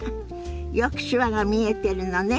よく手話が見えてるのね。